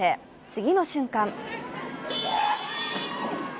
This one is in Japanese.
次の瞬間